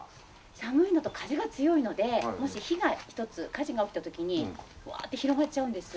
寒いのと風が強いのでもし火が一つ火事が起きた時にわって広がっちゃうんです。